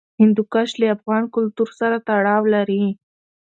هندوکش له افغان کلتور سره تړاو لري.